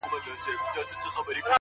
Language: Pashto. او بېوفايي ـ يې سمه لکه خور وگڼه ـ